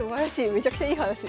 めちゃくちゃいい話ですね。